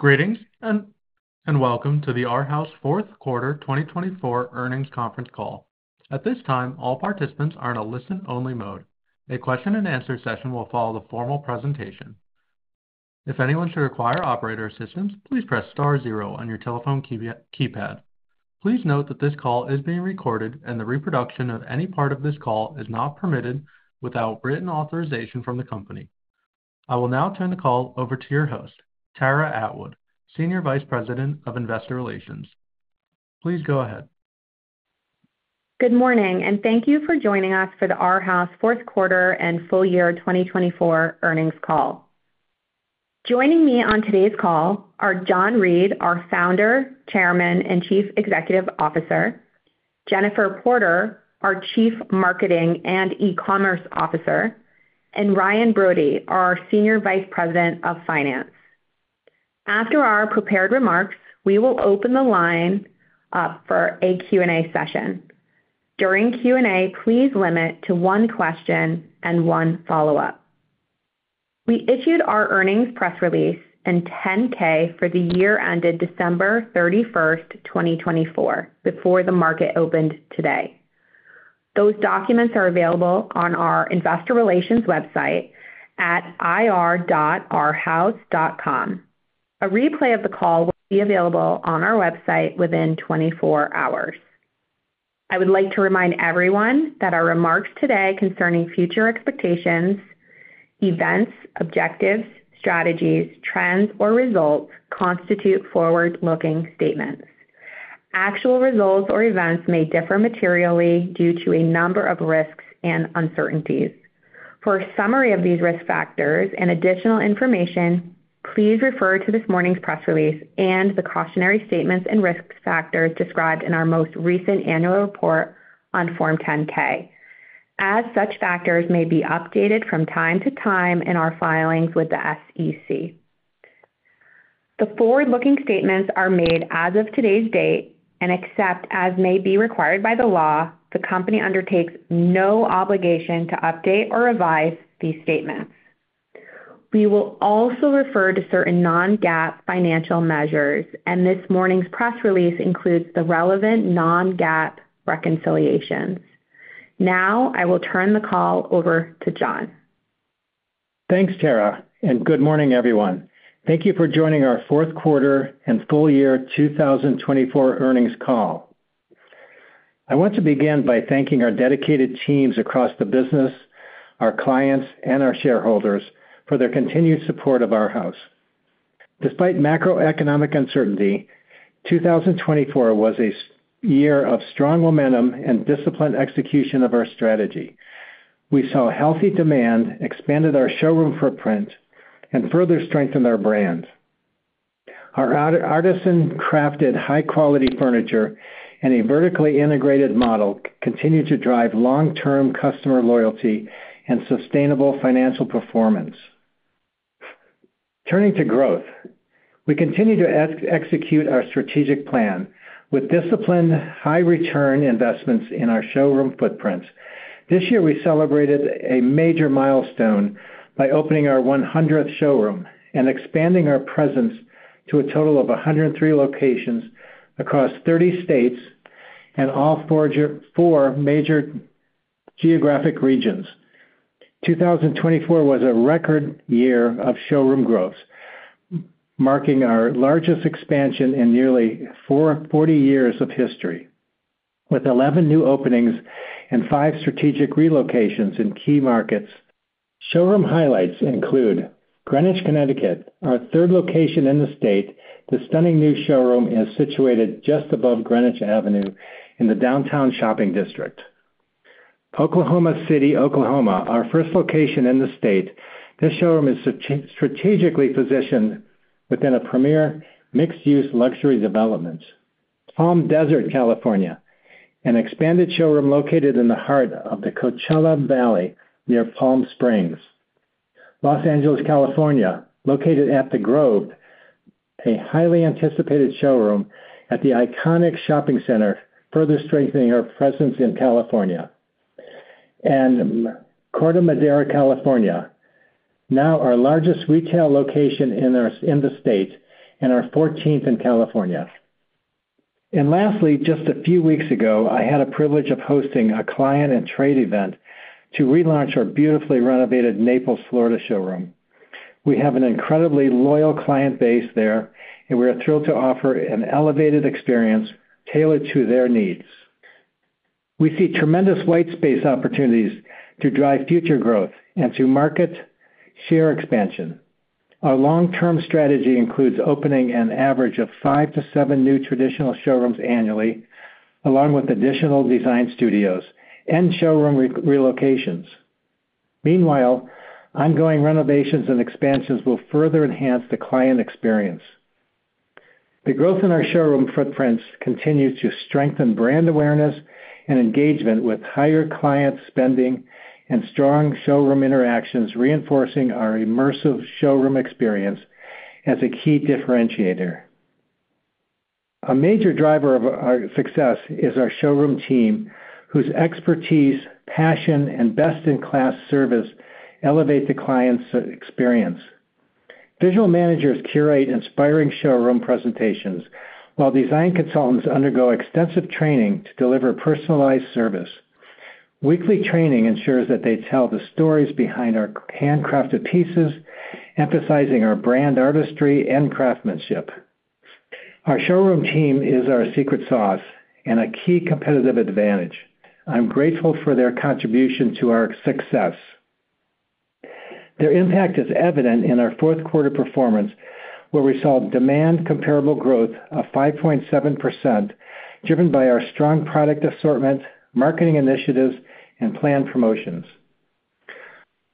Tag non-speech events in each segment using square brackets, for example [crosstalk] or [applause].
Greetings and welcome to the Arhaus fourth quarter 2024 earnings conference call. At this time, all participants are in a listen-only mode. A question-and-answer session will follow the formal presentation. If anyone should require operator assistance, please press star zero on your telephone keypad. Please note that this call is being recorded and the reproduction of any part of this call is not permitted without written authorization from the company. I will now turn the call over to your host, Tara Atwood, Senior Vice President of Investor Relations. Please go ahead. Good morning and thank you for joining us for the Arhaus fourth quarter and full year 2024 earnings call. Joining me on today's call are John Reed, our Founder, Chairman, and Chief Executive Officer, Jennifer Porter, our Chief Marketing and E-commerce Officer, and Ryan Brody, our Senior Vice President of Finance. After our prepared remarks, we will open the line up for a Q&A session. During Q&A, please limit to one question and one follow-up. We issued our earnings press release and 10-K for the year ended December 31st, 2024, before the market opened today. Those documents are available on our investor relations website at ir.arhaus.com. A replay of the call will be available on our website within 24 hours. I would like to remind everyone that our remarks today concerning future expectations, events, objectives, strategies, trends, or results constitute forward-looking statements. Actual results or events may differ materially due to a number of risks and uncertainties. For a summary of these risk factors and additional information, please refer to this morning's press release and the cautionary statements and risk factors described in our most recent annual report on Form 10-K. As such factors may be updated from time to time in our filings with the SEC. The forward-looking statements are made as of today's date, and except as may be required by the law, the company undertakes no obligation to update or revise these statements. We will also refer to certain non-GAAP financial measures, and this morning's press release includes the relevant non-GAAP reconciliations. Now I will turn the call over to John. Thanks, Tara, and good morning, everyone. Thank you for joining our fourth quarter and full year 2024 earnings call. I want to begin by thanking our dedicated teams across the business, our clients, and our shareholders for their continued support of Arhaus. Despite macroeconomic uncertainty, 2024 was a year of strong momentum and disciplined execution of our strategy. We saw healthy demand, expanded our showroom footprint and further strengthened our brand. Our artisan-crafted high-quality furniture and a vertically integrated model continue to drive long-term customer loyalty and sustainable financial performance. Turning to growth, we continue to execute our strategic plan with disciplined, high-return investments in our showroom footprints. This year, we celebrated a major milestone by opening our 100th showroom and expanding our presence to a total of 103 locations across 30 states and all four major geographic regions. 2024 was a record year of showroom growth, marking our largest expansion in nearly 40 years of history, with 11 new openings and five strategic relocations in key markets. Showroom highlights include Greenwich, Connecticut, our third location in the state. The stunning new showroom is situated just above Greenwich Avenue in the downtown shopping district. Oklahoma City, Oklahoma, our first location in the state. This showroom is strategically positioned within a premier mixed-use luxury development. Palm Desert, California, an expanded showroom located in the heart of the Coachella Valley near Palm Springs. Los Angeles, California, located at The Grove, a highly anticipated showroom at the iconic shopping center, further strengthening our presence in California. And Corte Madera, California, now our largest retail location in the state and our 14th in California. Lastly, just a few weeks ago, I had a privilege of hosting a client and trade event to relaunch our beautifully renovated Naples, Florida showroom. We have an incredibly loyal client base there, and we are thrilled to offer an elevated experience tailored to their needs. We see tremendous white space opportunities to drive future growth and to market share expansion. Our long-term strategy includes opening an average of five to seven new traditional showrooms annually, along with additional design studios and showroom relocations. Meanwhile, ongoing renovations and expansions will further enhance the client experience. The growth in our showroom footprints continues to strengthen brand awareness and engagement with higher client spending and strong showroom interactions, reinforcing our immersive showroom experience as a key differentiator. A major driver of our success is our showroom team, whose expertise, passion, and best-in-class service elevate the client's experience. Visual managers curate inspiring showroom presentations, while design consultants undergo extensive training to deliver personalized service. Weekly training ensures that they tell the stories behind our handcrafted pieces, emphasizing our brand artistry and craftsmanship. Our showroom team is our secret sauce and a key competitive advantage. I'm grateful for their contribution to our success. Their impact is evident in our fourth quarter performance, where we saw demand comparable growth of 5.7%, driven by our strong product assortment, marketing initiatives, and planned promotions.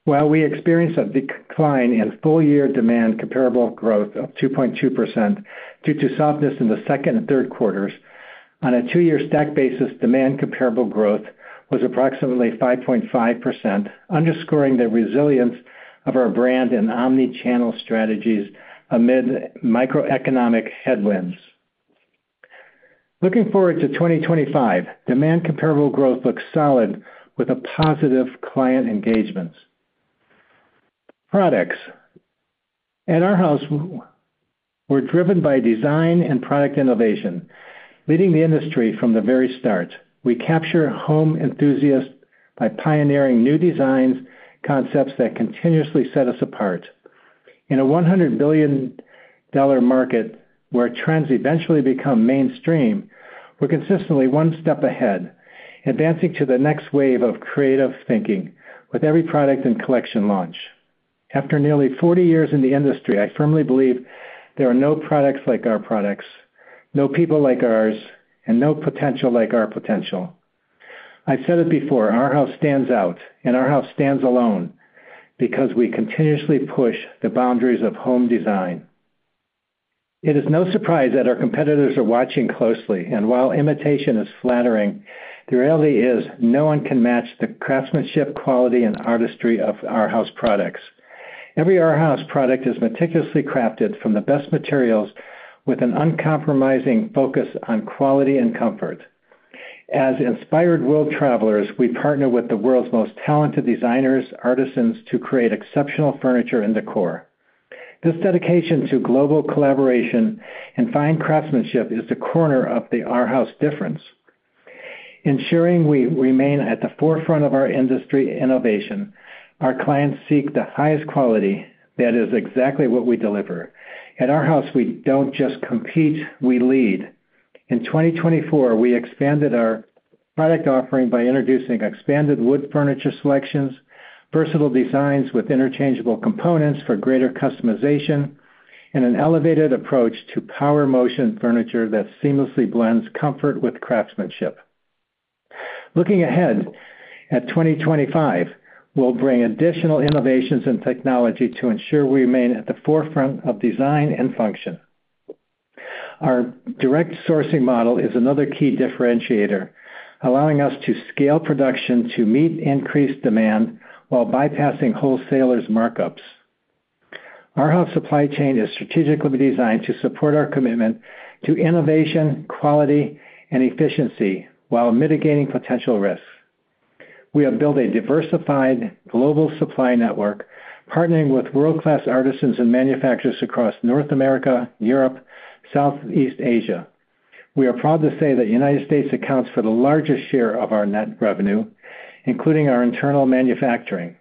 While we experienced a decline in full year demand comparable growth of 2.2% due to softness in the second and third quarters, on a two-year stack basis, demand comparable growth was approximately 5.5%, underscoring the resilience of our brand and omnichannel strategies amid macroeconomic headwinds. Looking forward to 2025, demand comparable growth looks solid with positive client engagements. Products at Arhaus were driven by design and product innovation, leading the industry from the very start. We capture home enthusiasts by pioneering new designs, concepts that continuously set us apart. In a $100 billion market where trends eventually become mainstream, we're consistently one step ahead, advancing to the next wave of creative thinking with every product and collection launch. After nearly 40 years in the industry, I firmly believe there are no products like our products, no people like ours, and no potential like our potential. I've said it before, Arhaus stands out, and Arhaus stands alone because we continuously push the boundaries of home design. It is no surprise that our competitors are watching closely, and while imitation is flattering, the reality is no one can match the craftsmanship, quality, and artistry of Arhaus products. Every Arhaus product is meticulously crafted from the best materials, with an uncompromising focus on quality and comfort. As inspired world travelers, we partner with the world's most talented designers, artisans, to create exceptional furniture and decor. This dedication to global collaboration and fine craftsmanship is the cornerstone of the Arhaus difference. Ensuring we remain at the forefront of our industry innovation, our clients seek the highest quality that is exactly what we deliver. At Arhaus, we don't just compete. We lead. In 2024, we expanded our product offering by introducing expanded wood furniture selections, versatile designs with interchangeable components for greater customization, and an elevated approach to power motion furniture that seamlessly blends comfort with craftsmanship. Looking ahead at 2025, we'll bring additional innovations and technology to ensure we remain at the forefront of design and function. Our direct sourcing model is another key differentiator, allowing us to scale production to meet increased demand while bypassing wholesalers' markups. Arhaus supply chain is strategically designed to support our commitment to innovation, quality, and efficiency while mitigating potential risks. We have built a diversified global supply network, partnering with world-class artisans and manufacturers across North America, Europe, and Southeast Asia. We are proud to say that the United States accounts for the largest share of our net revenue, including our internal manufacturing,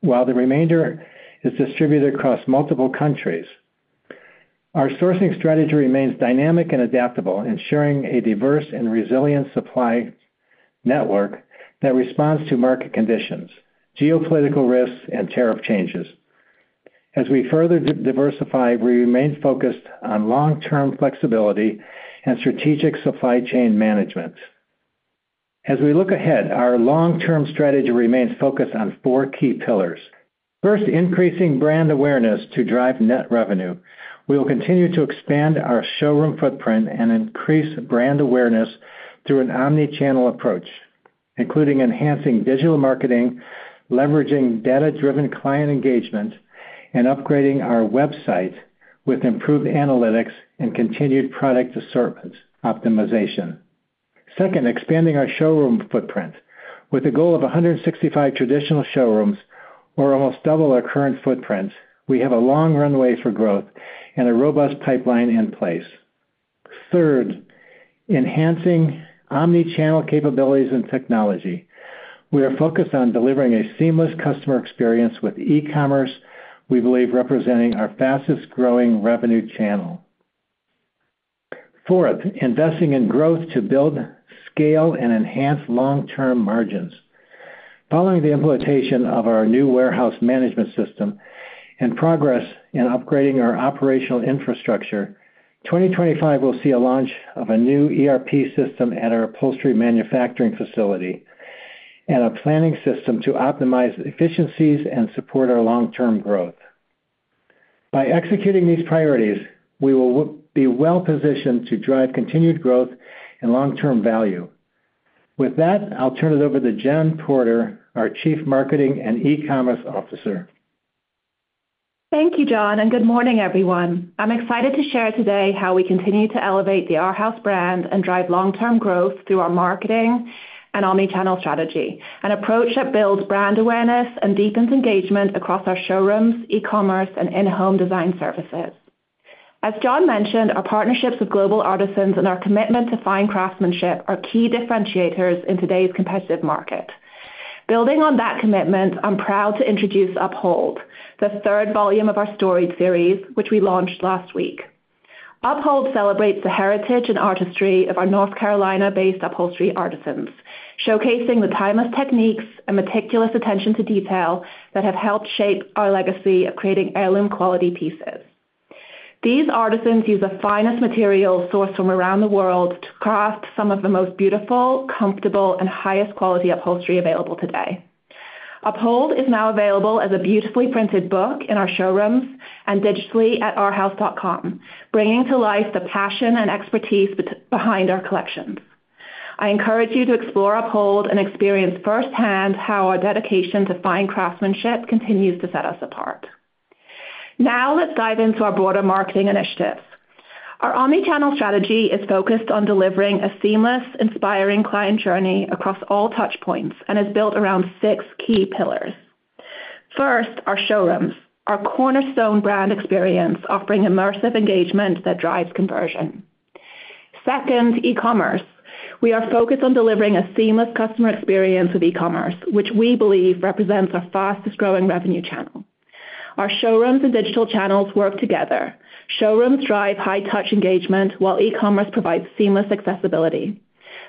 while the remainder is distributed across multiple countries. Our sourcing strategy remains dynamic and adaptable, ensuring a diverse and resilient supply network that responds to market conditions, geopolitical risks, and tariff changes. As we further diversify, we remain focused on long-term flexibility and strategic supply chain management. As we look ahead, our long-term strategy remains focused on four key pillars. First, increasing brand awareness to drive net revenue. We will continue to expand our showroom footprint and increase brand awareness through an omnichannel approach, including enhancing digital marketing, leveraging data-driven client engagement, and upgrading our website with improved analytics and continued product assortment optimization. Second, expanding our showroom footprint. With the goal of 165 traditional showrooms, we're almost double our current footprint. We have a long runway for growth and a robust pipeline in place. Third, enhancing omnichannel capabilities and technology. We are focused on delivering a seamless customer experience with e-commerce. We believe representing our fastest growing revenue channel. Fourth, investing in growth to build, scale, and enhance long-term margins. Following the implementation of our new warehouse management system and progress in upgrading our operational infrastructure, 2025 will see a launch of a new ERP system at our upholstery manufacturing facility and a planning system to optimize efficiencies and support our long-term growth. By executing these priorities, we will be well positioned to drive continued growth and long-term value. With that, I'll turn it over to Jen Porter, our Chief Marketing and E-commerce Officer. Thank you, John, and good morning, everyone. I'm excited to share today how we continue to elevate the Arhaus brand and drive long-term growth through our marketing and omnichannel strategy, an approach that builds brand awareness and deepens engagement across our showrooms, e-commerce, and in-home design services. As John mentioned, our partnerships with global artisans and our commitment to fine craftsmanship are key differentiators in today's competitive market. Building on that commitment, I'm proud to introduce Uphold, the third volume of our Storied series, which we launched last week. Uphold celebrates the heritage and artistry of our North Carolina-based upholstery artisans, showcasing the timeless techniques and meticulous attention to detail that have helped shape our legacy of creating heirloom quality pieces. These artisans use the finest materials sourced from around the world to craft some of the most beautiful, comfortable, and highest quality upholstery available today. Uphold is now available as a beautifully printed book in our showrooms and digitally at arhaus.com, bringing to life the passion and expertise behind our collections. I encourage you to explore Uphold and experience firsthand how our dedication to fine craftsmanship continues to set us apart. Now, let's dive into our broader marketing initiatives. Our omnichannel strategy is focused on delivering a seamless, inspiring client journey across all touchpoints and is built around six key pillars. First, our showrooms, our cornerstone brand experience offering immersive engagement that drives conversion. Second, e-commerce. We are focused on delivering a seamless customer experience with e-commerce, which we believe represents our fastest growing revenue channel. Our showrooms and digital channels work together. Showrooms drive high-touch engagement, while e-commerce provides seamless accessibility.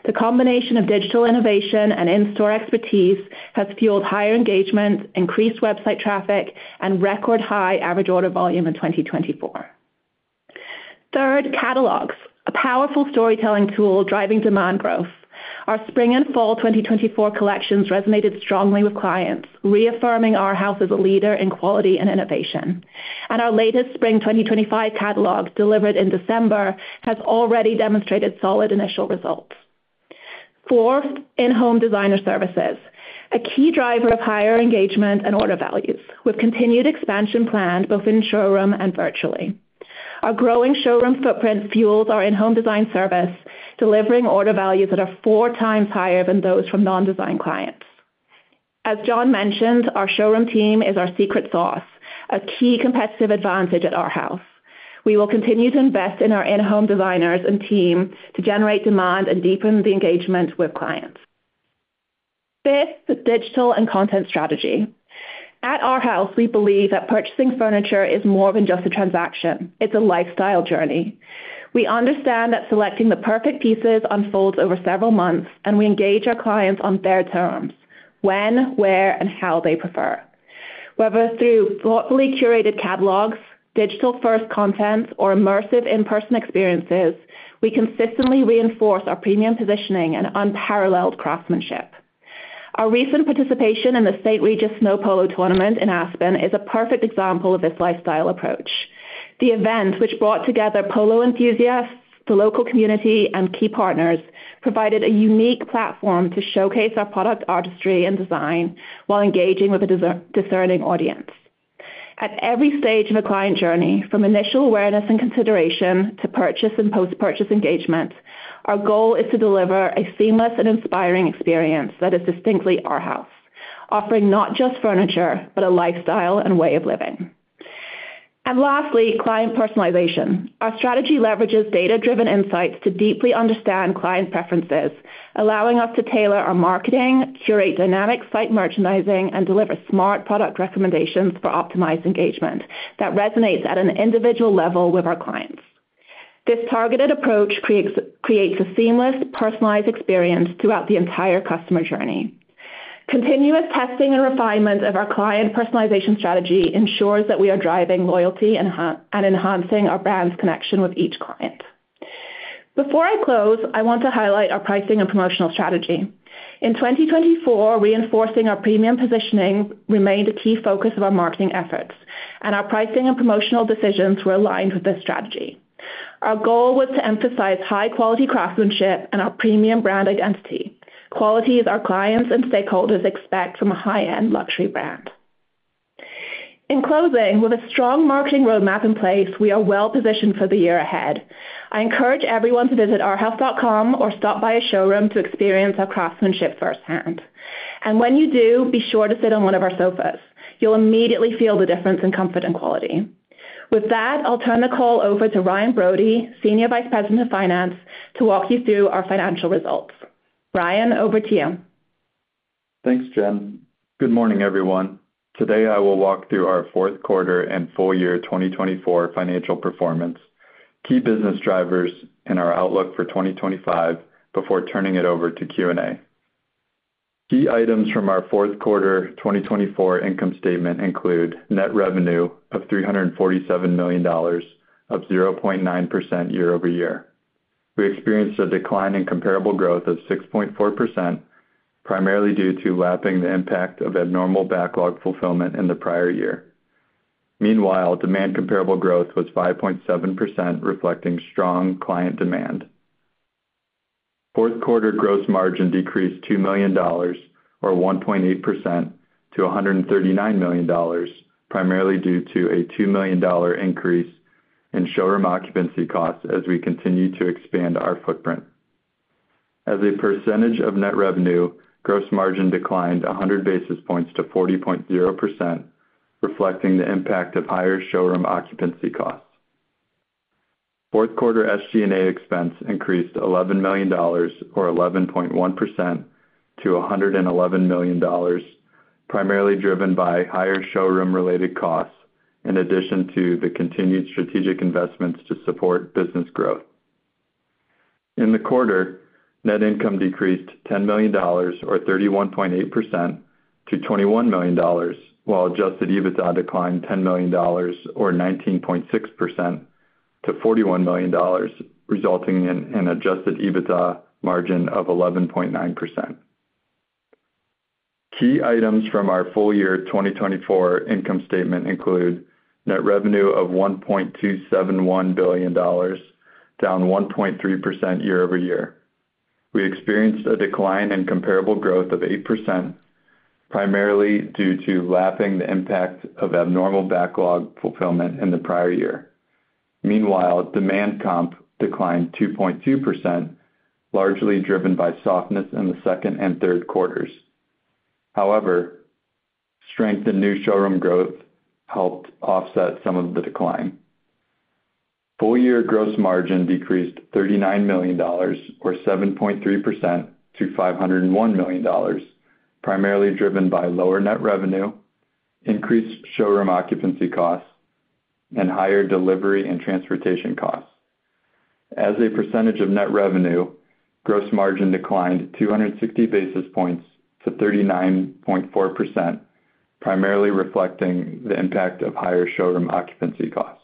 The combination of digital innovation and in-store expertise has fueled higher engagement, increased website traffic, and record-high average order volume in 2024. Third, catalogs, a powerful storytelling tool driving demand growth. Our Spring and Fall 2024 collections resonated strongly with clients, reaffirming Arhaus as a leader in quality and innovation. Our latest Spring 2025 catalog, delivered in December, has already demonstrated solid initial results. Fourth, in-home design services, a key driver of higher engagement and order values, with continued expansion planned both in showroom and virtually. Our growing showroom footprint fuels our in-home design service, delivering order values that are 4x higher than those from non-design clients. As John mentioned, our showroom team is our secret sauce, a key competitive advantage at Arhaus. We will continue to invest in our in-home designers and team to generate demand and deepen the engagement with clients. Fifth, digital and content strategy. At Arhaus, we believe that purchasing furniture is more than just a transaction. It's a lifestyle journey. We understand that selecting the perfect pieces unfolds over several months, and we engage our clients on their terms, when, where, and how they prefer. Whether through thoughtfully curated catalogs, digital-first content, or immersive in-person experiences, we consistently reinforce our premium positioning and unparalleled craftsmanship. Our recent participation in the St. Regis Snow Polo Tournament in Aspen is a perfect example of this lifestyle approach. The event, which brought together polo enthusiasts, the local community, and key partners, provided a unique platform to showcase our product artistry and design while engaging with a discerning audience. At every stage of a client journey, from initial awareness and consideration to purchase and post-purchase engagement, our goal is to deliver a seamless and inspiring experience that is distinctly Arhaus, offering not just furniture, but a lifestyle and way of living. And lastly, client personalization. Our strategy leverages data-driven insights to deeply understand client preferences, allowing us to tailor our marketing, curate dynamic site merchandising, and deliver smart product recommendations for optimized engagement that resonates at an individual level with our clients. This targeted approach creates a seamless, personalized experience throughout the entire customer journey. Continuous testing and refinement of our client personalization strategy ensures that we are driving loyalty and enhancing our brand's connection with each client. Before I close, I want to highlight our pricing and promotional strategy. In 2024, reinforcing our premium positioning remained a key focus of our marketing efforts, and our pricing and promotional decisions were aligned with this strategy. Our goal was to emphasize high-quality craftsmanship and our premium brand identity, qualities our clients and stakeholders expect from a high-end luxury brand. In closing, with a strong marketing roadmap in place, we are well positioned for the year ahead. I encourage everyone to visit arhaus.com or stop by a showroom to experience our craftsmanship firsthand, and when you do, be sure to sit on one of our sofas. You'll immediately feel the difference in comfort and quality. With that, I'll turn the call over to Ryan Brody, Senior Vice President of Finance, to walk you through our financial results. Ryan, over to you. Thanks, Jen. Good morning, everyone. Today, I will walk through our fourth quarter and full year 2024 financial performance, key business drivers, and our outlook for 2025 before turning it over to Q&A. Key items from our fourth quarter 2024 income statement include net revenue of $347 million, up 0.9% year-over-year. We experienced a decline in comparable growth of 6.4%, primarily due to lapping the impact of abnormal backlog fulfillment in the prior year. Meanwhile, demand comparable growth was 5.7%, reflecting strong client demand. Fourth quarter gross margin decreased $2 million, or 1.8%, to $139 million, primarily due to a $2 million increase in showroom occupancy costs as we continue to expand our footprint. As a percentage of net revenue, gross margin declined 100 basis points to 40.0%, reflecting the impact of higher showroom occupancy costs. Fourth quarter SG&A expense increased $11 million, or 11.1%, to $111 million, primarily driven by higher showroom-related costs in addition to the continued strategic investments to support business growth. In the quarter, net income decreased $10 million, or 31.8%, to $21 million, while Adjusted EBITDA declined $10 million, or 19.6%, to $41 million, resulting in an Adjusted EBITDA margin of 11.9%. Key items from our full year 2024 income statement include net revenue of $1.271 billion, down 1.3% year-over-year. We experienced a decline in comparable growth of 8%, primarily due to lapping the impact of abnormal backlog fulfillment in the prior year. Meanwhile, demand comp declined 2.2%, largely driven by softness in the second and third quarters. However, strength in new showroom growth helped offset some of the decline. Full year gross margin decreased $39 million, or 7.3%, to $501 million, primarily driven by lower net revenue, increased showroom occupancy costs, and higher delivery and transportation costs. As a percentage of net revenue, gross margin declined 260 basis points to 39.4%, primarily reflecting the impact of higher showroom occupancy costs.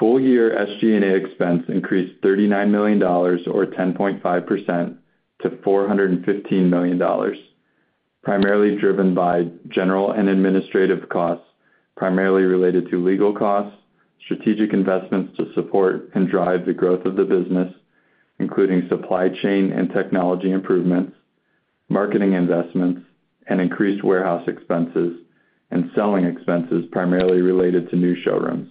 Full year SG&A expense increased $39 million, or 10.5%, to $415 million, primarily driven by general and administrative costs, primarily related to legal costs, strategic investments to support and drive the growth of the business, including supply chain and technology improvements, marketing investments, and increased warehouse expenses and selling expenses primarily related to new showrooms.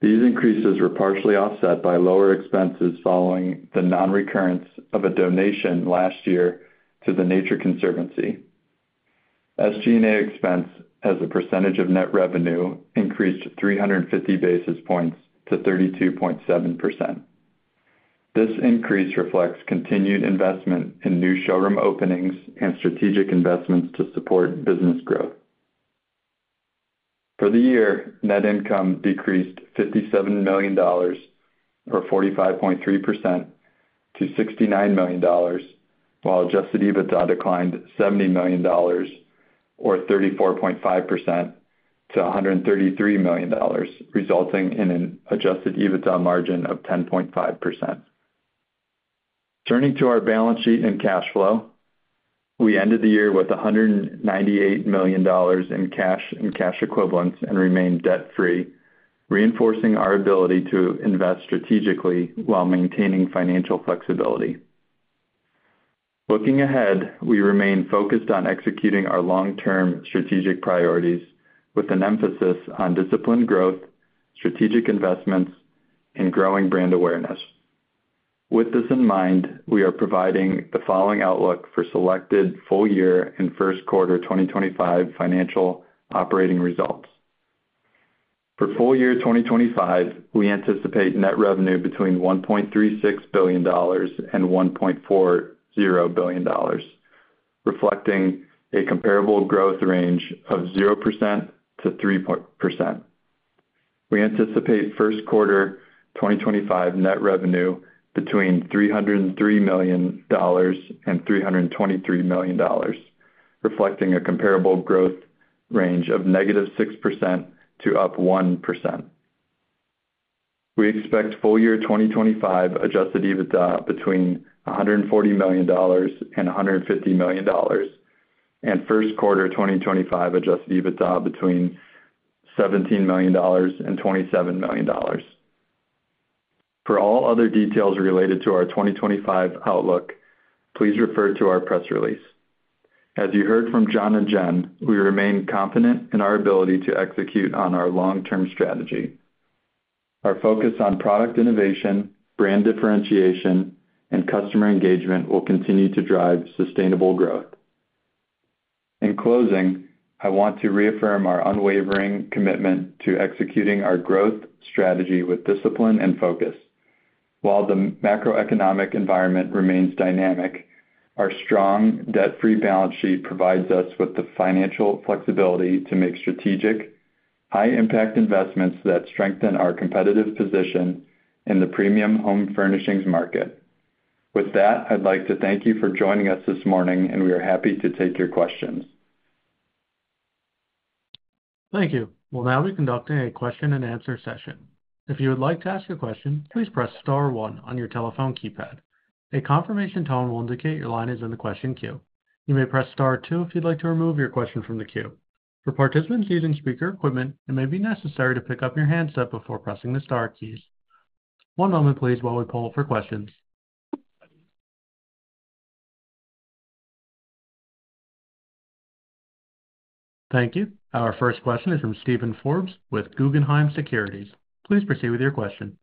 These increases were partially offset by lower expenses following the non-recurrence of a donation last year to The Nature Conservancy. SG&A expense as a percentage of net revenue increased 350 basis points to 32.7%. This increase reflects continued investment in new showroom openings and strategic investments to support business growth. For the year, net income decreased $57 million, or 45.3%, to $69 million, while Adjusted EBITDA declined $70 million, or 34.5%, to $133 million, resulting in an Adjusted EBITDA margin of 10.5%. Turning to our balance sheet and cash flow, we ended the year with $198 million in cash and cash equivalents and remained debt-free, reinforcing our ability to invest strategically while maintaining financial flexibility. Looking ahead, we remain focused on executing our long-term strategic priorities with an emphasis on disciplined growth, strategic investments, and growing brand awareness. With this in mind, we are providing the following outlook for selected full year and first quarter 2025 financial operating results. For full year 2025, we anticipate net revenue between $1.36 billion and $1.40 billion, reflecting a comparable growth range of 0%-3%. We anticipate first quarter 2025 net revenue between $303 million and $323 million, reflecting a comparable growth range of -6% to +1%. We expect full year 2025 Adjusted EBITDA between $140 million and $150 million, and first quarter 2025 Adjusted EBITDA between $17 million and $27 million. For all other details related to our 2025 outlook, please refer to our press release. As you heard from John and Jen, we remain confident in our ability to execute on our long-term strategy. Our focus on product innovation, brand differentiation, and customer engagement will continue to drive sustainable growth. In closing, I want to reaffirm our unwavering commitment to executing our growth strategy with discipline and focus. While the macroeconomic environment remains dynamic, our strong debt-free balance sheet provides us with the financial flexibility to make strategic, high-impact investments that strengthen our competitive position in the premium home furnishings market. With that, I'd like to thank you for joining us this morning, and we are happy to take your questions. Thank you. We'll now be conducting a question-and-answer session. If you would like to ask a question, please press star one on your telephone keypad. A confirmation tone will indicate your line is in the question queue. You may press star two if you'd like to remove your question from the queue. For participants using speaker equipment, it may be necessary to pick up your handset before pressing the star keys. One moment, please, while we poll for questions. Thank you. Our first question is from Steven Forbes with Guggenheim Securities. Please proceed with your question.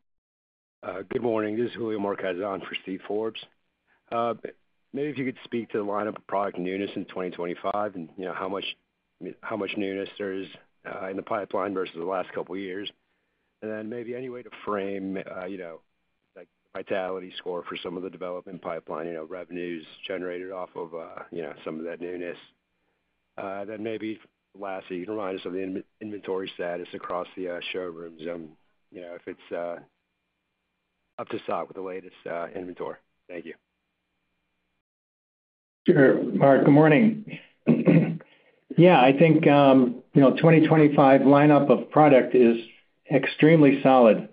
Good morning. This is Julio Marquez on for Steven Forbes. Maybe if you could speak to the lineup of product newness in 2025 and how much newness there is in the pipeline versus the last couple of years, and then maybe any way to frame the vitality score for some of the development pipeline, revenues generated off of some of that newness. Then maybe lastly, you can remind us of the inventory status across the showrooms if it's up to stock with the latest inventory. Thank you. Sure. Marq, good morning. Yeah, I think the 2025 lineup of product is extremely solid.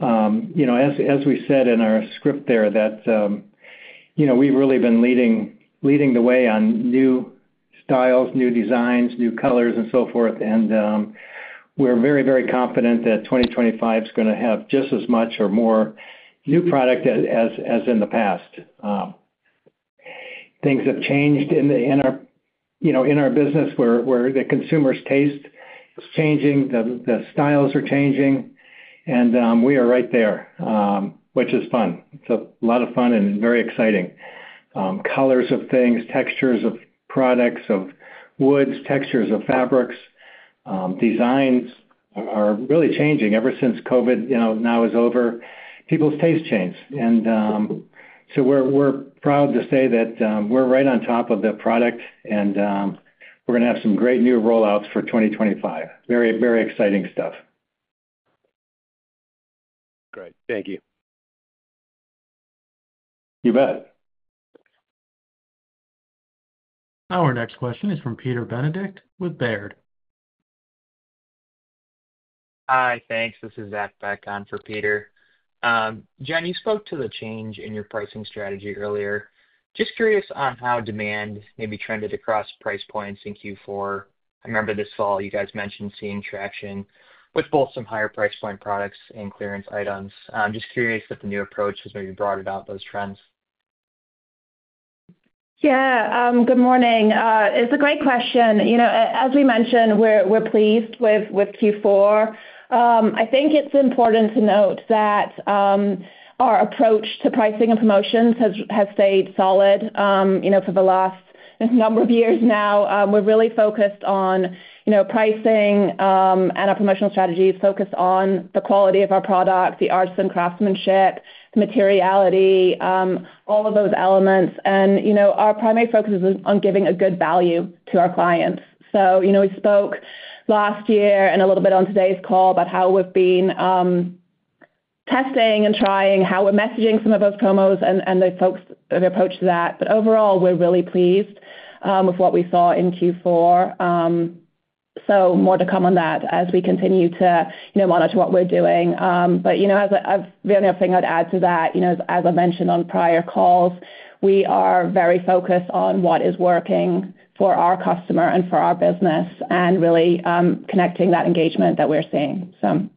As we said in our script there, we've really been leading the way on new styles, new designs, new colors, and so forth. And we're very, very confident that 2025 is going to have just as much or more new product as in the past. Things have changed in our business where the consumer's taste is changing, the styles are changing, and we are right there, which is fun. It's a lot of fun and very exciting. Colors of things, textures of products, of woods, textures of fabrics, designs are really changing. Ever since COVID now is over, people's taste changed. And so we're proud to say that we're right on top of the product, and we're going to have some great new rollouts for 2025. Very, very exciting stuff. Great. Thank you. You bet. Our next question is from Peter Benedict with Baird. Hi, thanks. This is Zach Beeck on for Peter. Jen, you spoke to the change in your pricing strategy earlier. Just curious on how demand maybe trended across price points in Q4? I remember this fall, you guys mentioned seeing traction with both some higher price point products and clearance items. I'm just curious if the new approach has maybe brought about those trends? Yeah. Good morning. It's a great question. As we mentioned, we're pleased with Q4. I think it's important to note that our approach to pricing and promotions has stayed solid for the last number of years now. We're really focused on pricing and our promotional strategy is focused on the quality of our product, the arts and craftsmanship, the materiality, all of those elements. And our primary focus is on giving a good value to our clients. So we spoke last year and a little bit on today's call about how we've been testing and trying, how we're messaging some of those promos and the approach to that. But overall, we're really pleased with what we saw in Q4. So more to come on that as we continue to monitor what we're doing. But the only other thing I'd add to that, as I've mentioned on prior calls, we are very focused on what is working for our customer and for our business and really connecting that engagement that we're seeing, so.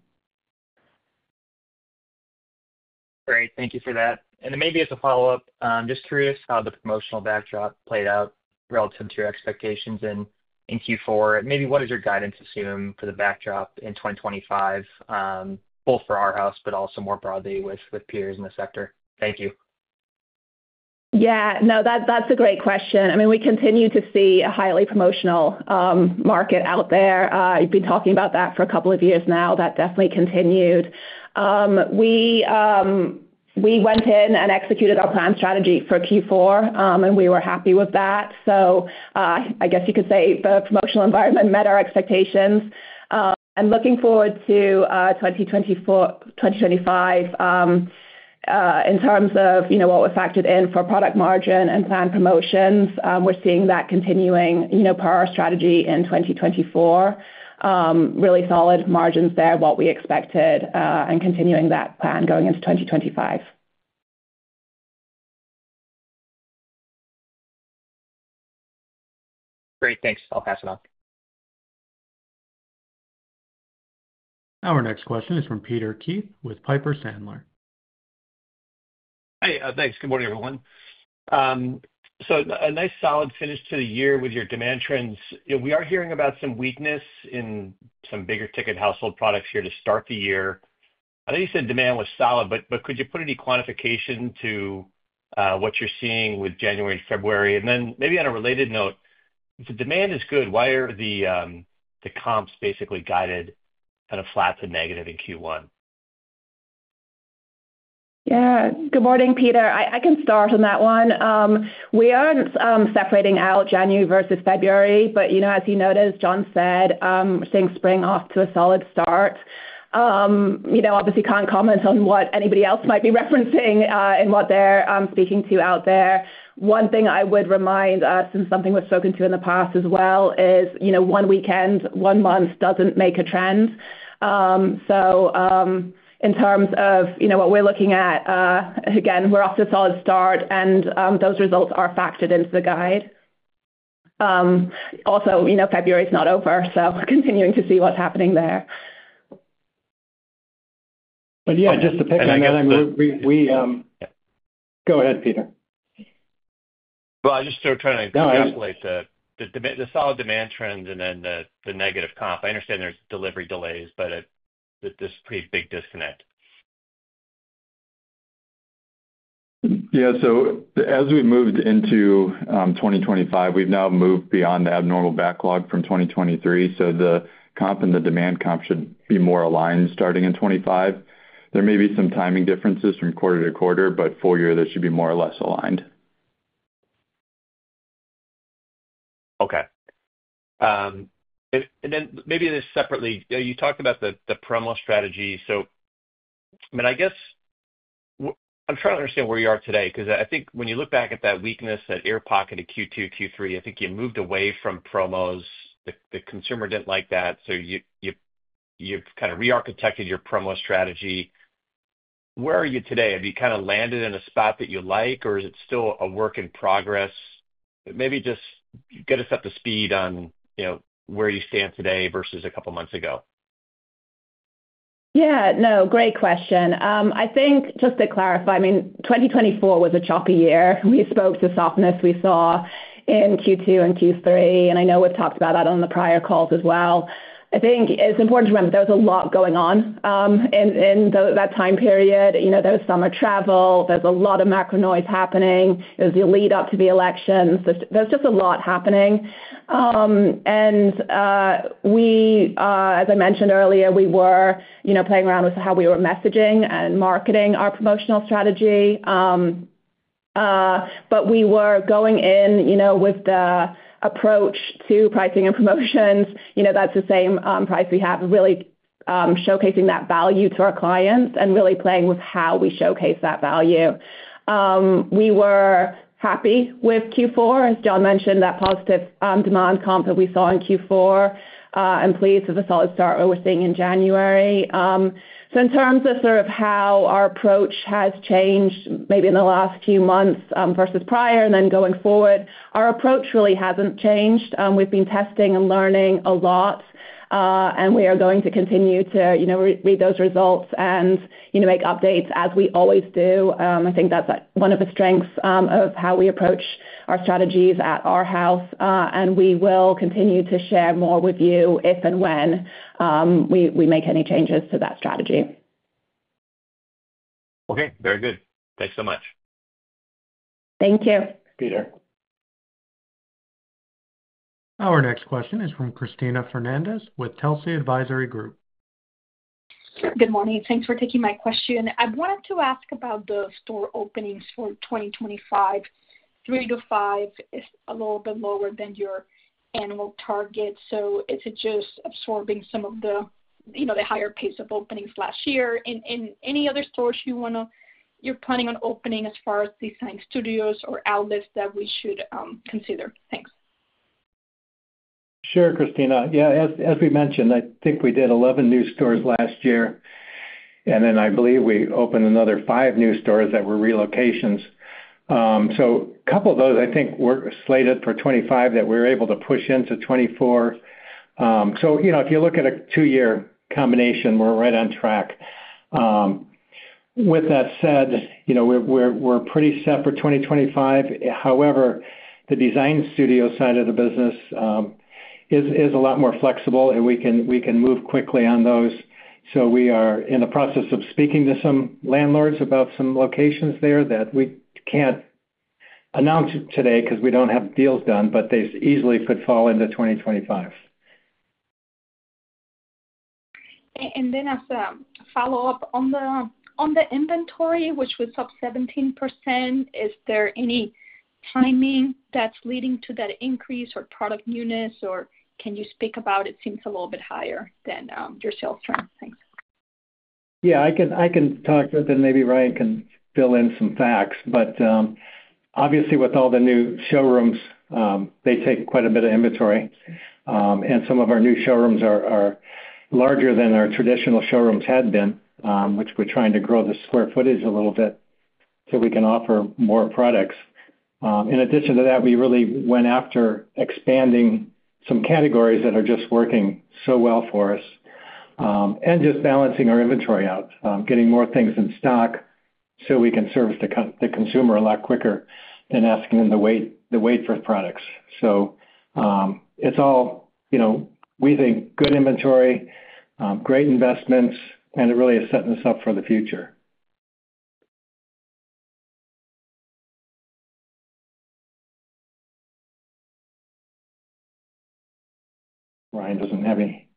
Great. Thank you for that. And then maybe as a follow-up, I'm just curious how the promotional backdrop played out relative to your expectations in Q4. And maybe what does your guidance assume for the backdrop in 2025, both for Arhaus, but also more broadly with peers in the sector? Thank you. Yeah. No, that's a great question. I mean, we continue to see a highly promotional market out there. You've been talking about that for a couple of years now. That definitely continued. We went in and executed our planned strategy for Q4, and we were happy with that. So I guess you could say the promotional environment met our expectations. And looking forward to 2025, in terms of what we factored in for product margin and planned promotions, we're seeing that continuing per our strategy in 2024. Really solid margins there, what we expected, and continuing that plan going into 2025. Great. Thanks. I'll pass it on. Our next question is from Peter Keith with Piper Sandler. Hi. Thanks. Good morning, everyone. So a nice solid finish to the year with your demand trends. We are hearing about some weakness in some bigger ticket household products here to start the year. I think you said demand was solid, but could you put any quantification to what you're seeing with January and February? And then maybe on a related note, if the demand is good, why are the comps basically guided kind of flat to negative in Q1? Yeah. Good morning, Peter. I can start on that one. We are separating out January versus February, but as you noted, as John said, we're seeing spring off to a solid start. Obviously, can't comment on what anybody else might be referencing and what they're speaking to out there. One thing I would remind us, and something we've spoken to in the past as well, is one weekend, one month doesn't make a trend. So in terms of what we're looking at, again, we're off to a solid start, and those results are factored into the guide. Also, February is not over, so continuing to see what's happening there. And then. [crosstalk] But yeah, just to pick up on that. Go ahead, Peter. I just started trying to encapsulate the solid demand trends and then the negative comp. I understand there's delivery delays, but this is a pretty big disconnect. Yeah, so as we moved into 2025, we've now moved beyond the abnormal backlog from 2023. The comp and the demand comp should be more aligned starting in 2025. There may be some timing differences from quarter to quarter, but full year, they should be more or less aligned. Okay. And then maybe separately, you talked about the promo strategy. So I mean, I guess I'm trying to understand where you are today because I think when you look back at that weakness that air pocket at Q2, Q3, I think you moved away from promos. The consumer didn't like that. So you've kind of re-architected your promo strategy. Where are you today? Have you kind of landed in a spot that you like, or is it still a work in progress? Maybe just get us up to speed on where you stand today versus a couple of months ago. Yeah. No, great question. I think just to clarify, I mean, 2024 was a choppy year. We spoke to softness we saw in Q2 and Q3, and I know we've talked about that on the prior calls as well. I think it's important to remember there was a lot going on in that time period. There was summer travel. There was a lot of macro noise happening. There was the lead-up to the elections. There was just a lot happening. And as I mentioned earlier, we were playing around with how we were messaging and marketing our promotional strategy. But we were going in with the approach to pricing and promotions. That's the same price we have, really showcasing that value to our clients and really playing with how we showcase that value. We were happy with Q4, as John mentioned, that positive demand comp that we saw in Q4, and pleased with the solid start we were seeing in January. So in terms of sort of how our approach has changed maybe in the last few months versus prior and then going forward, our approach really hasn't changed. We've been testing and learning a lot, and we are going to continue to read those results and make updates as we always do. I think that's one of the strengths of how we approach our strategies at Arhaus. And we will continue to share more with you if and when we make any changes to that strategy. Okay. Very good. Thanks so much. Thank you. Peter. Our next question is from Cristina Fernández with Telsey Advisory Group. Good morning. Thanks for taking my question. I wanted to ask about the store openings for 2025. Three to five is a little bit lower than your annual target. So is it just absorbing some of the higher pace of openings last year? And any other stores you're planning on opening as far as design studios or outlets that we should consider? Thanks. Sure, Christina. Yeah. As we mentioned, I think we did 11 new stores last year. And then I believe we opened another five new stores that were relocations. So a couple of those, I think, were slated for 2025 that we were able to push into 2024. So if you look at a two-year combination, we're right on track. With that said, we're pretty set for 2025. However, the design studio side of the business is a lot more flexible, and we can move quickly on those. So we are in the process of speaking to some landlords about some locations there that we can't announce today because we don't have deals done, but they easily could fall into 2025. Then, as a follow-up on the inventory, which was up 17%, is there any timing that's leading to that increase or product newness, or can you speak about it? It seems a little bit higher than your sales terms. Thanks. Yeah. I can talk to it, and maybe Ryan can fill in some facts. But obviously, with all the new showrooms, they take quite a bit of inventory. And some of our new showrooms are larger than our traditional showrooms had been, which we're trying to grow the square footage a little bit so we can offer more products. In addition to that, we really went after expanding some categories that are just working so well for us and just balancing our inventory out, getting more things in stock so we can service the consumer a lot quicker than asking them to wait for products. So it's all, we think, good inventory, great investments, and it really is setting us up for the future. Ryan doesn't have any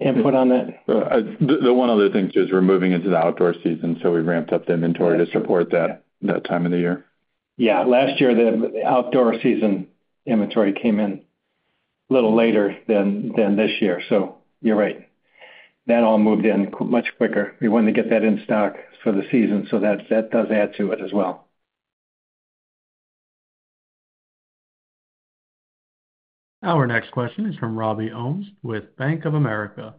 input on that. The one other thing too is we're moving into the outdoor season, so we ramped up the inventory to support that time of the year. Yeah. Last year, the outdoor season inventory came in a little later than this year. So you're right. That all moved in much quicker. We wanted to get that in stock for the season, so that does add to it as well. Our next question is from Robbie Ohmes with Bank of America.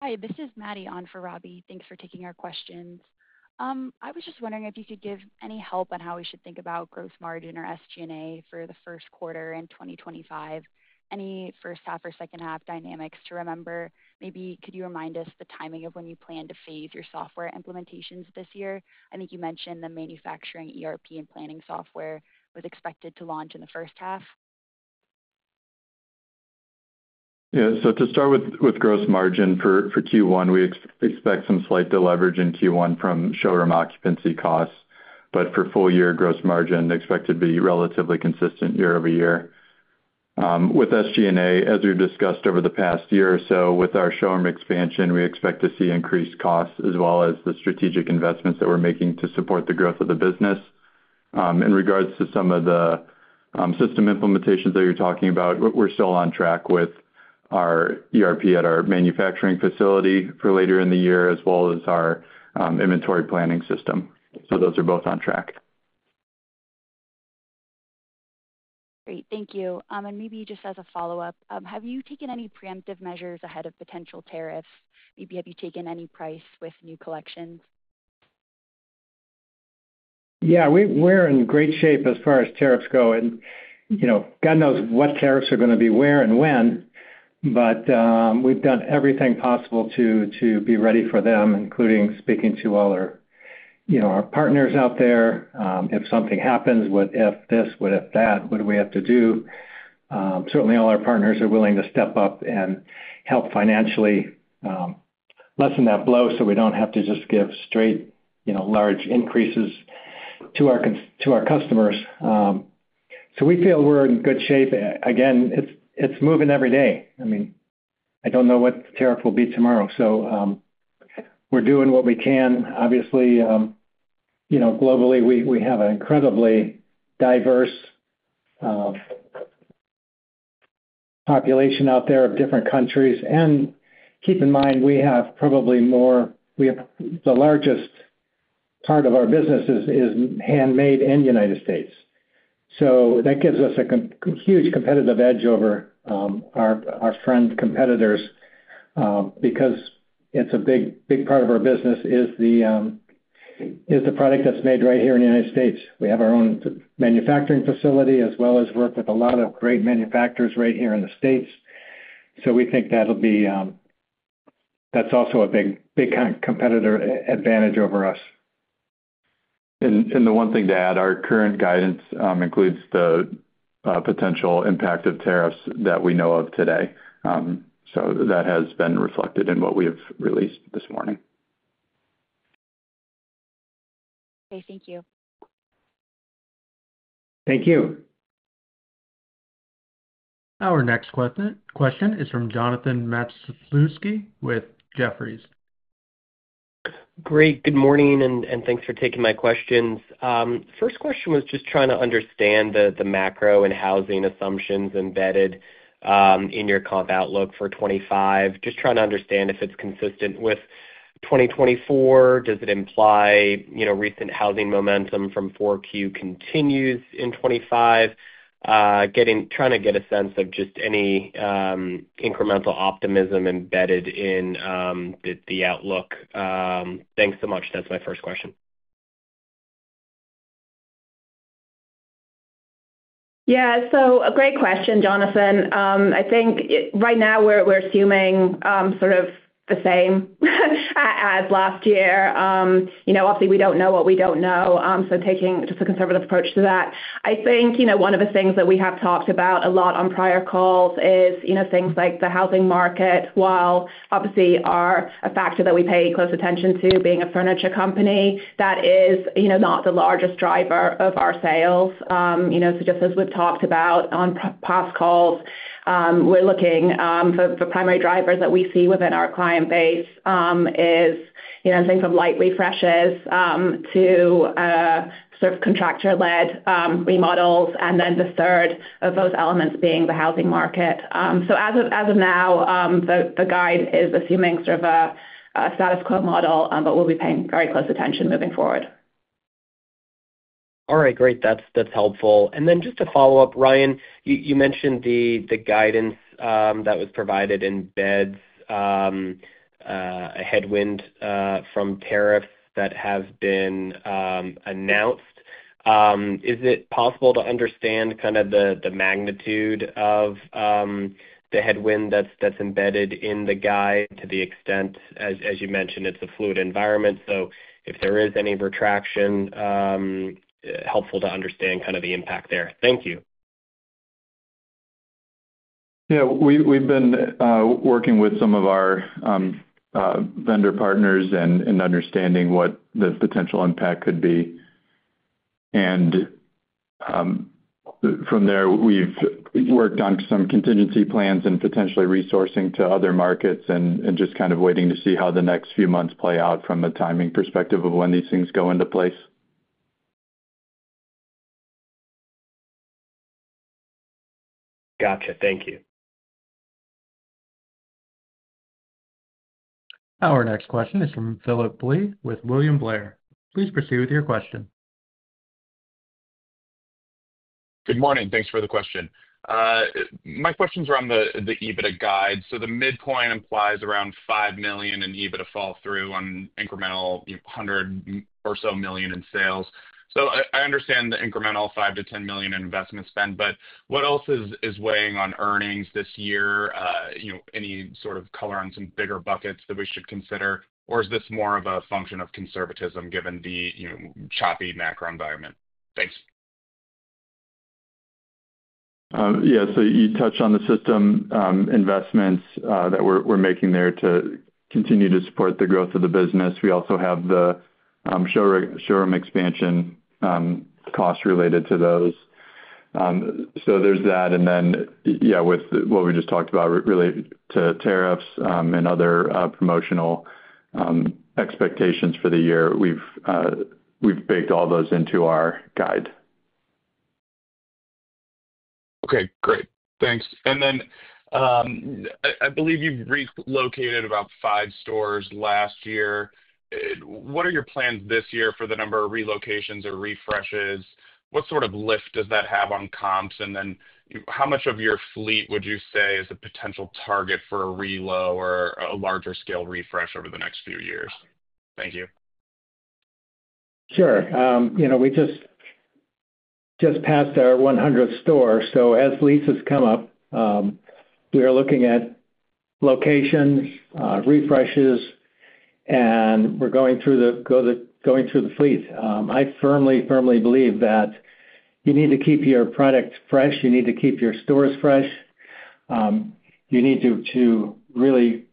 Hi. This is Maddie on for Robbie. Thanks for taking our questions. I was just wondering if you could give any help on how we should think about gross margin or SG&A for the first quarter in 2025, any first-half or second-half dynamics to remember. Maybe could you remind us the timing of when you plan to phase your software implementations this year? I think you mentioned the manufacturing ERP and planning software was expected to launch in the first half. Yeah. So to start with gross margin for Q1, we expect some slight deleverage in Q1 from showroom occupancy costs. But for full-year gross margin, expected to be relatively consistent year-over-year. With SG&A, as we've discussed over the past year or so, with our showroom expansion, we expect to see increased costs as well as the strategic investments that we're making to support the growth of the business. In regards to some of the system implementations that you're talking about, we're still on track with our ERP at our manufacturing facility for later in the year, as well as our inventory planning system. So those are both on track. Great. Thank you. And maybe just as a follow-up, have you taken any preemptive measures ahead of potential tariffs? Maybe have you taken any pricing with new collections? Yeah. We're in great shape as far as tariffs go and God knows what tariffs are going to be where and when, but we've done everything possible to be ready for them, including speaking to all our partners out there. If something happens, what if this, what if that, what do we have to do? Certainly, all our partners are willing to step up and help financially lessen that blow so we don't have to just give straight large increases to our customers, so we feel we're in good shape. Again, it's moving every day. I mean, I don't know what the tariff will be tomorrow, so we're doing what we can. Obviously, globally, we have an incredibly diverse population out there of different countries, and keep in mind, we have probably more the largest part of our business is handmade in the United States. So that gives us a huge competitive edge over our foreign competitors because a big part of our business is the product that's made right here in the United States. We have our own manufacturing facility as well as we work with a lot of great manufacturers right here in the States. So we think that'll also be a big competitive advantage for us. And the one thing to add, our current guidance includes the potential impact of tariffs that we know of today. So that has been reflected in what we have released this morning. Okay. Thank you. Thank you. Our next question is from Jonathan Matuszewski with Jefferies. Great. Good morning, and thanks for taking my questions. First question was just trying to understand the macro and housing assumptions embedded in your comp outlook for 2025. Just trying to understand if it's consistent with 2024. Does it imply recent housing momentum from 4Q continues in 2025? Trying to get a sense of just any incremental optimism embedded in the outlook. Thanks so much. That's my first question. Yeah. So a great question, Jonathan. I think right now, we're assuming sort of the same as last year. Obviously, we don't know what we don't know. So taking just a conservative approach to that. I think one of the things that we have talked about a lot on prior calls is things like the housing market, while obviously a factor that we pay close attention to being a furniture company, that is not the largest driver of our sales. So just as we've talked about on past calls, we're looking for primary drivers that we see within our client base is anything from light refreshes to sort of contractor-led remodels, and then the third of those elements being the housing market. So as of now, the guide is assuming sort of a status quo model, but we'll be paying very close attention moving forward. All right. Great. That's helpful. And then just to follow up, Ryan, you mentioned the guidance that was provided in breadth, a headwind from tariffs that have been announced. Is it possible to understand kind of the magnitude of the headwind that's embedded in the guide to the extent, as you mentioned, it's a fluid environment? So if there is any retraction, helpful to understand kind of the impact there. Thank you. Yeah. We've been working with some of our vendor partners and understanding what the potential impact could be. And from there, we've worked on some contingency plans and potentially resourcing to other markets and just kind of waiting to see how the next few months play out from a timing perspective of when these things go into place. Gotcha. Thank you. Our next question is from Phillip Blee with William Blair. Please proceed with your question. Good morning. Thanks for the question. My question's around the EBITDA guide. So the midpoint implies around $5 million in EBITDA fall-through on incremental $100 million or so million in sales. So I understand the incremental $5 million-$10 million in investment spend, but what else is weighing on earnings this year? Any sort of color on some bigger buckets that we should consider? Or is this more of a function of conservatism given the choppy macro environment? Thanks. Yeah. So you touched on the system investments that we're making there to continue to support the growth of the business. We also have the showroom expansion costs related to those. So there's that. And then, yeah, with what we just talked about related to tariffs and other promotional expectations for the year, we've baked all those into our guide. Okay. Great. Thanks. And then I believe you've relocated about five stores last year. What are your plans this year for the number of relocations or refreshes? What sort of lift does that have on comps? And then how much of your fleet would you say is a potential target for a relo or a larger scale refresh over the next few years? Thank you. Sure. We just passed our 100th store. So as leases come up, we are looking at locations, refreshes, and we're going through the fleet. I firmly, firmly believe that you need to keep your products fresh. You need to keep your stores fresh. You need to really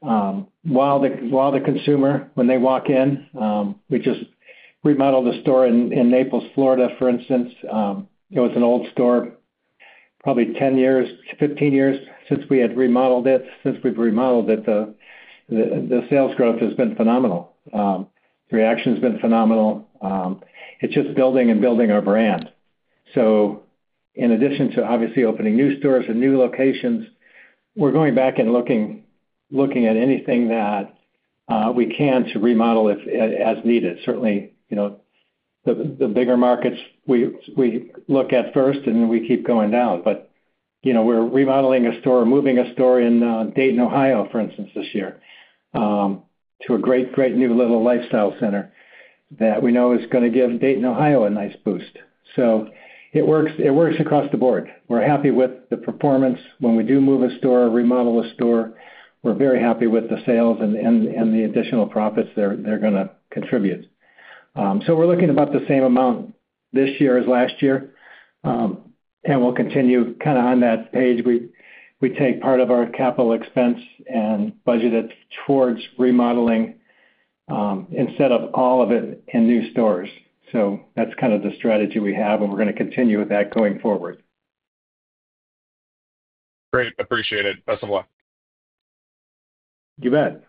wow the consumer when they walk in. We just remodeled a store in Naples, Florida, for instance. It was an old store. Probably 10 years, 15 years since we had remodeled it. Since we've remodeled it, the sales growth has been phenomenal. The reaction has been phenomenal. It's just building and building our brand. So in addition to obviously opening new stores and new locations, we're going back and looking at anything that we can to remodel as needed. Certainly, the bigger markets we look at first, and then we keep going down. But we're remodeling a store, moving a store in Dayton, Ohio, for instance, this year to a great, great new little lifestyle center that we know is going to give Dayton, Ohio a nice boost. So it works across the board. We're happy with the performance. When we do move a store, remodel a store, we're very happy with the sales and the additional profits they're going to contribute. So we're looking at about the same amount this year as last year. And we'll continue kind of on that page. We take part of our capital expense and budget it towards remodeling instead of all of it in new stores. So that's kind of the strategy we have, and we're going to continue with that going forward. Great. Appreciate it. Best of luck. You bet.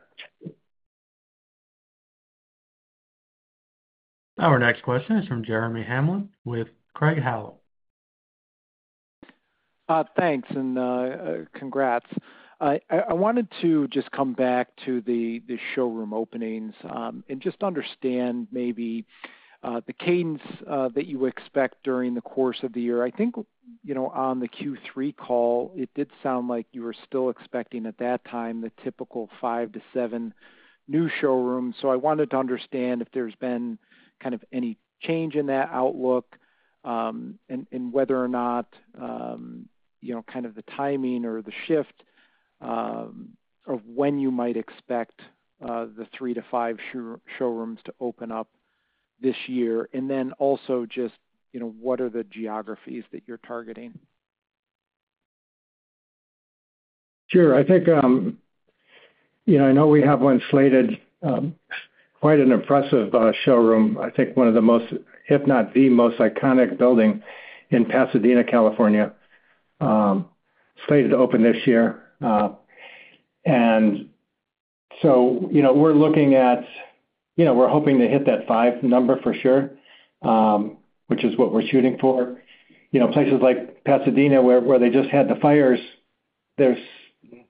Our next question is from Jeremy Hamblin with Craig-Hallum. Thanks, and congrats. I wanted to just come back to the showroom openings and just understand maybe the cadence that you expect during the course of the year. I think on the Q3 call, it did sound like you were still expecting at that time the typical five to seven new showrooms, so I wanted to understand if there's been kind of any change in that outlook and whether or not kind of the timing or the shift of when you might expect the three to five showrooms to open up this year, and then also just what are the geographies that you're targeting? Sure. I think I know we have one slated, quite an impressive showroom. I think one of the most, if not the most iconic building in Pasadena, California, slated to open this year, and so we're looking at we're hoping to hit that five number for sure, which is what we're shooting for. Places like Pasadena, where they just had the fires, there's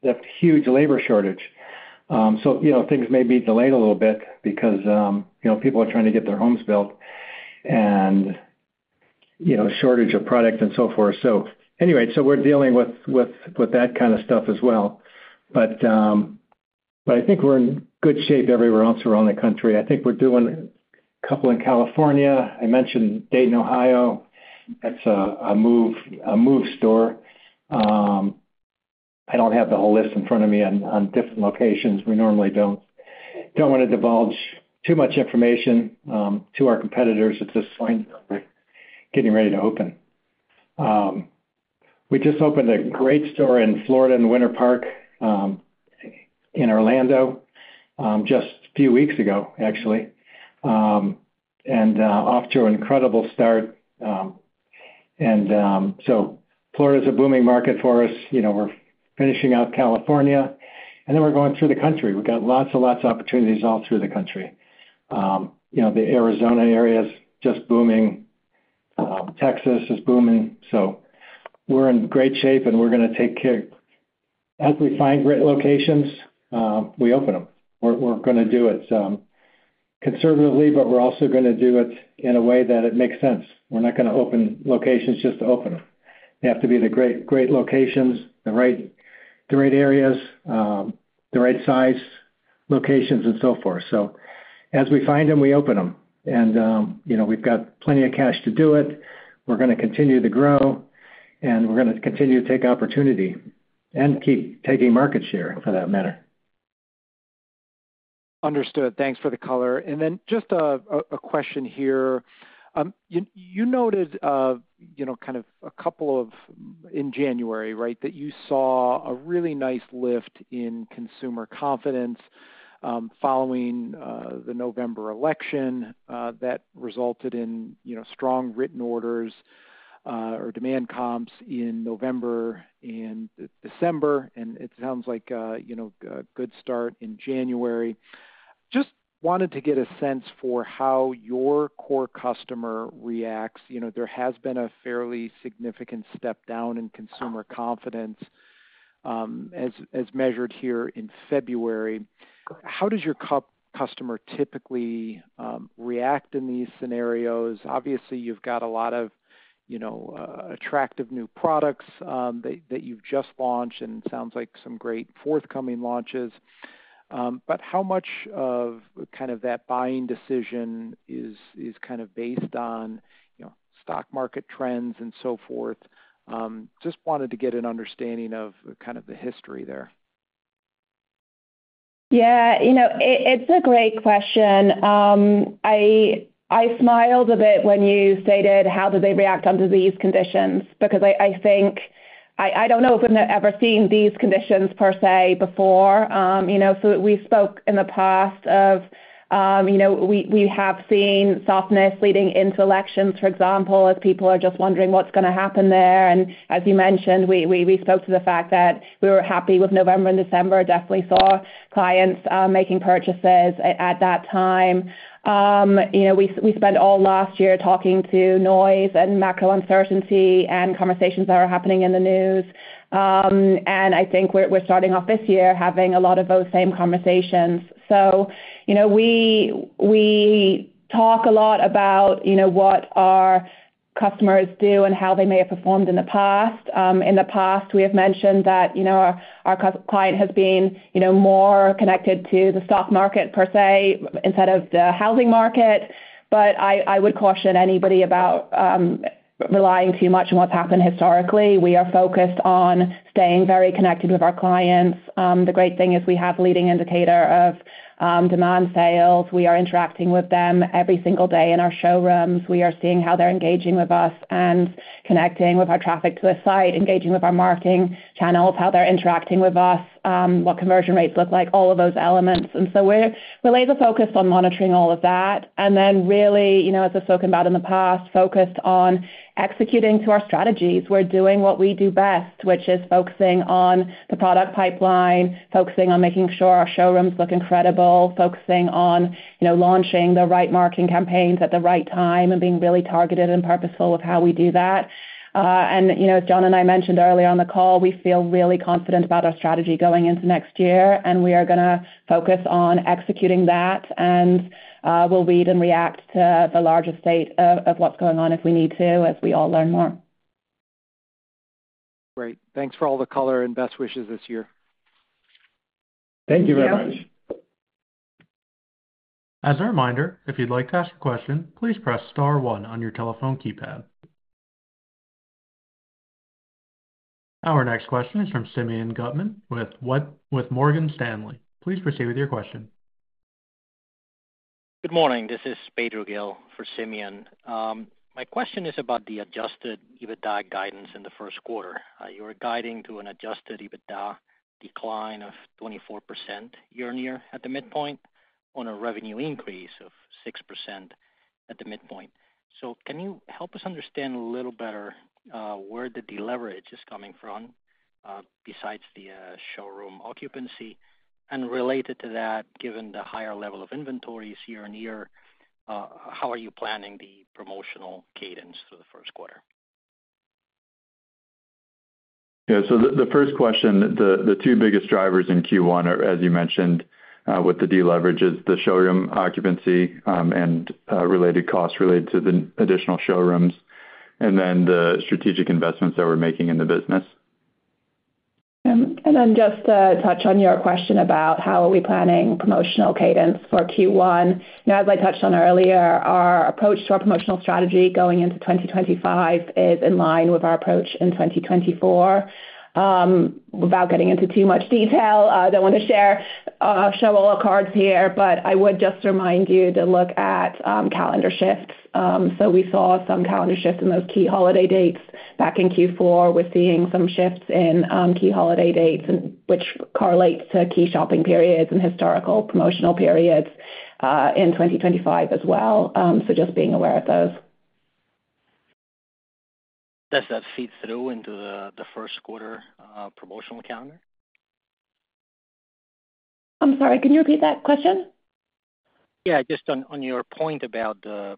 a huge labor shortage. So things may be delayed a little bit because people are trying to get their homes built and shortage of product and so forth. So anyway, so we're dealing with that kind of stuff as well. But I think we're in good shape everywhere else around the country. I think we're doing a couple in California. I mentioned Dayton, Ohio. That's a move store. I don't have the whole list in front of me on different locations. We normally don't want to divulge too much information to our competitors at this point. We're getting ready to open. We just opened a great store in Florida in Winter Park in Orlando just a few weeks ago, actually, and off to an incredible start. And so Florida is a booming market for us. We're finishing out California, and then we're going through the country. We've got lots and lots of opportunities all through the country. The Arizona area is just booming. Texas is booming. So we're in great shape, and we're going to take care as we find great locations, we open them. We're going to do it conservatively, but we're also going to do it in a way that it makes sense. We're not going to open locations just to open them. They have to be the great locations, the right areas, the right size locations, and so forth. So as we find them, we open them. And we've got plenty of cash to do it. We're going to continue to grow, and we're going to continue to take opportunity and keep taking market share for that matter. Understood. Thanks for the color. And then just a question here. You noted kind of a couple of in January, right, that you saw a really nice lift in consumer confidence following the November election that resulted in strong written orders or demand comps in November and December. And it sounds like a good start in January. Just wanted to get a sense for how your core customer reacts. There has been a fairly significant step down in consumer confidence as measured here in February. How does your customer typically react in these scenarios? Obviously, you've got a lot of attractive new products that you've just launched, and it sounds like some great forthcoming launches. But how much of kind of that buying decision is kind of based on stock market trends and so forth? Just wanted to get an understanding of kind of the history there. Yeah. It's a great question. I smiled a bit when you stated, "How did they react under these conditions?" Because I think I don't know if we've ever seen these conditions per se before. So we spoke in the past of we have seen softness leading into elections, for example, as people are just wondering what's going to happen there. And as you mentioned, we spoke to the fact that we were happy with November and December, definitely saw clients making purchases at that time. We spent all last year talking to noise and macro uncertainty and conversations that are happening in the news. And I think we're starting off this year having a lot of those same conversations. So we talk a lot about what our customers do and how they may have performed in the past. In the past, we have mentioned that our clients have been more connected to the stock market per se instead of the housing market. But I would caution anybody about relying too much on what's happened historically. We are focused on staying very connected with our clients. The great thing is we have a leading indicator of demand sales. We are interacting with them every single day in our showrooms. We are seeing how they're engaging with us and connecting with our traffic to a site, engaging with our marketing channels, how they're interacting with us, what conversion rates look like, all of those elements. And so we're laser-focused on monitoring all of that. And then really, as I've spoken about in the past, focused on executing to our strategies. We're doing what we do best, which is focusing on the product pipeline, focusing on making sure our showrooms look incredible, focusing on launching the right marketing campaigns at the right time and being really targeted and purposeful with how we do that. And as John and I mentioned earlier on the call, we feel really confident about our strategy going into next year, and we are going to focus on executing that. And we'll read and react to the larger state of what's going on if we need to as we all learn more. Great. Thanks for all the color and best wishes this year. Thank you very much. As a reminder, if you'd like to ask a question, please press star one on your telephone keypad. Our next question is from Simeon Gutman with Morgan Stanley. Please proceed with your question. Good morning. This is Pedro Gil for Simeon. My question is about the Adjusted EBITDA guidance in the first quarter. You were guiding to an Adjusted EBITDA decline of 24% year-on-year at the midpoint on a revenue increase of 6% at the midpoint. So can you help us understand a little better where the deleverage is coming from besides the showroom occupancy? And related to that, given the higher level of inventories year-on-year, how are you planning the promotional cadence for the first quarter? Yeah. So the first question, the two biggest drivers in Q1 are, as you mentioned, with the deleverage, the showroom occupancy and related costs related to the additional showrooms, and then the strategic investments that we're making in the business. Then just to touch on your question about how we are planning promotional cadence for Q1. As I touched on earlier, our approach to our promotional strategy going into 2025 is in line with our approach in 2024. Without getting into too much detail, I don't want to show all our cards here, but I would just remind you to look at calendar shifts. We saw some calendar shifts in those key holiday dates back in Q4. We are seeing some shifts in key holiday dates, which correlates to key shopping periods and historical promotional periods in 2025 as well. Just being aware of those. Does that feed through into the first quarter promotional calendar? I'm sorry. Can you repeat that question? Yeah. Just on your point about the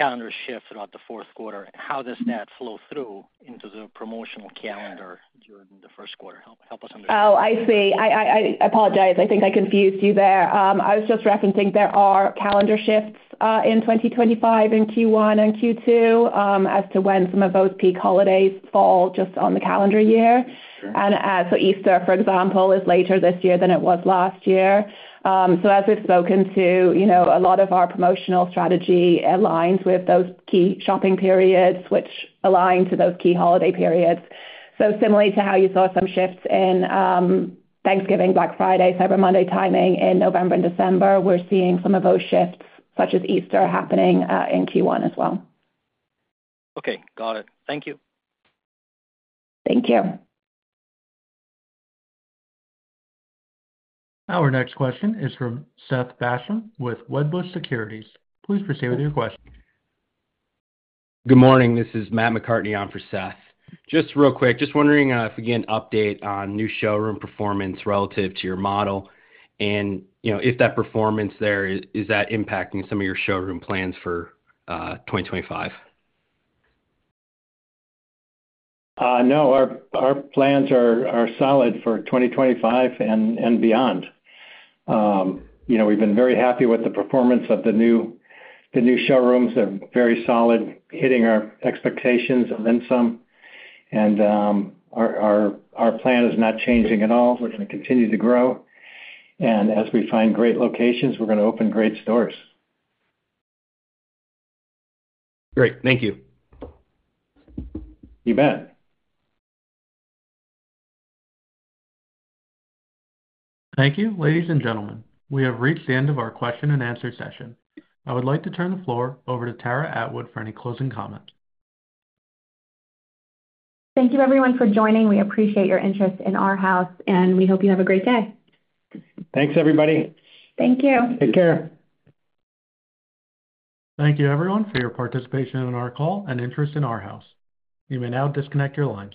calendar shift throughout the fourth quarter, how does that flow through into the promotional calendar during the first quarter? Help us understand. Oh, I see. I apologize. I think I confused you there. I was just referencing there are calendar shifts in 2025 in Q1 and Q2 as to when some of those peak holidays fall just on the calendar year, and so Easter, for example, is later this year than it was last year, so as we've spoken to, a lot of our promotional strategy aligns with those key shopping periods, which align to those key holiday periods, so similarly to how you saw some shifts in Thanksgiving, Black Friday, Cyber Monday timing in November and December, we're seeing some of those shifts, such as Easter, happening in Q1 as well. Okay. Got it. Thank you. Thank you. Our next question is from Seth Basham with Wedbush Securities. Please proceed with your question. Good morning. This is Matt McCartney on for Seth. Just real quick, just wondering if we get an update on new showroom performance relative to your model and if that performance there is that impacting some of your showroom plans for 2025? No. Our plans are solid for 2025 and beyond. We've been very happy with the performance of the new showrooms. They're very solid, hitting our expectations and then some, and our plan is not changing at all. We're going to continue to grow, and as we find great locations, we're going to open great stores. Great. Thank you. You bet. Thank you, ladies and gentlemen. We have reached the end of our question-and-answer session. I would like to turn the floor over to Tara Atwood for any closing comments. Thank you, everyone, for joining. We appreciate your interest in Arhaus, and we hope you have a great day. Thanks, everybody. Thank you. Take care. Thank you, everyone, for your participation in our call and interest in Arhaus. You may now disconnect your lines.